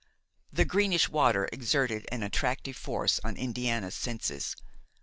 The greenish water exerted an attractive force on Indiana's senses.